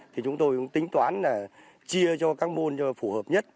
thì chúng tôi cũng tính toán là chia cho các môn phù hợp nhất